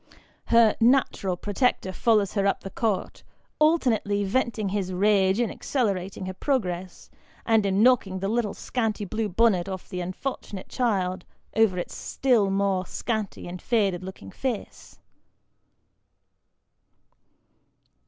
Her " natural pro tector" follows her up the court, alternately venting his rage in accelerating her progress, and in knocking the little scanty blue bonnet of the unfortunate child over its still more scanty and faded looking face.